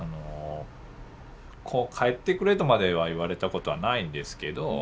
こう帰ってくれとまでは言われたことはないんですけど。